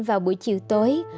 vào buổi chiều tối